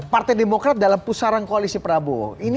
partai demokrat dalam pusaran koalisi prabowo